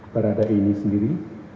peradai ini sendiri